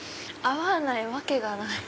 合わないわけがない。